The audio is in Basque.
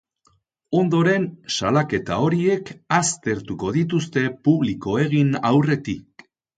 Ondoren, salaketa horiek aztertuko dituzte publiko egin aurretik.